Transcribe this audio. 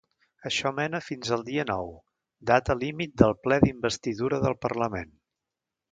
Això mena fins el dia nou, data límit del ple d’investidura del parlament.